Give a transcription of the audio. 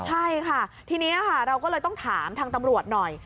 ใช่ค่ะทีนี้ค่ะเราก็เลยต้องถามทางตำรวจหน่อย